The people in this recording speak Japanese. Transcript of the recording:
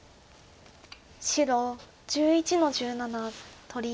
白１１の十七取り。